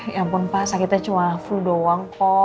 ya ampun pak sakitnya cuma flu doang kok